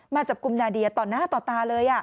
มาจับกลุ่มนาเดียต่อหน้าต่อตาเลย